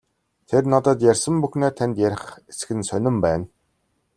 Тэр надад ярьсан бүхнээ танд ярих эсэх нь сонин байна.